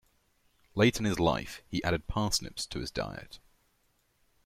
Late in his life he added parsnips to his diet.